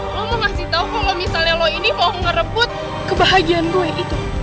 lo mau kasih tau kalo misalnya lo ini mau ngerebut kebahagiaan gue itu